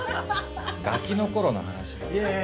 ガキの頃の話だろ。